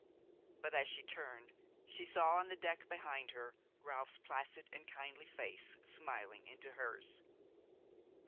But, as she turned, she saw on the deck behind her Ralph's placid and kindly face smiling into hers.